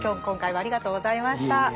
今回はありがとうございました。